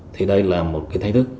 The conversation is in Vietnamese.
thì đây là một thay thức